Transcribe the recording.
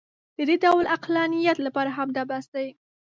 د دې ډول عقلانیت لپاره همدا بس دی.